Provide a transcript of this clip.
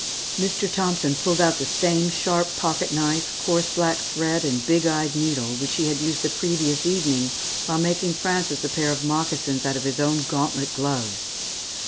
Mr. Thompson pulled out the same sharp pocket knife, coarse black thread, and big eyed needle, which he had used the previous evening, while making Frances a pair of moccasins out of his own gauntlet gloves.